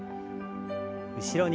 後ろに。